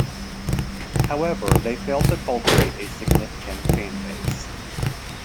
However they failed to cultivate a significant fan-base.